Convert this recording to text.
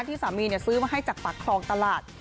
ที่สามีซื้อมาให้จากปากคลองตลาด